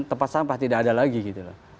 sampah sampah tidak ada lagi gitu